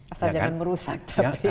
asal jangan merusak